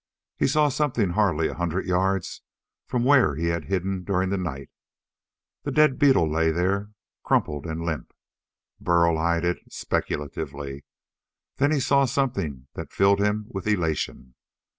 He saw something hardly a hundred yards from where he had hidden during the night. The dead beetle lay there, crumpled and limp. Burl eyed it speculatively. Then he saw something that filled him with elation.